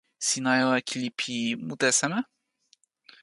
sina jo e kili pi mute seme?